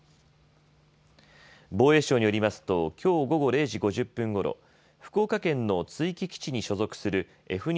防衛省によりますときょう午後０時５０分ごろ、福岡県の築城基地に所属するＦ２